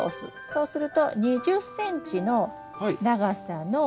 そうすると２０ｃｍの長さの。